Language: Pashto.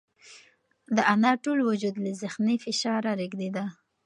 د انا ټول وجود له ذهني فشاره رېږدېده.